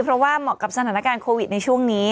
เพราะว่าเหมาะกับสถานการณ์โควิดในช่วงนี้